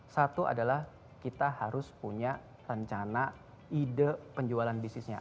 satu adalah kita harus punya rencana ide penjualan bisnisnya